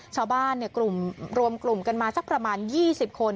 ชาวบ้านกลุ่มรวมกลุ่มกันมาสักประมาณ๒๐คน